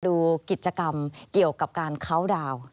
ดูกิจกรรมเกี่ยวกับการเคาน์ดาวน์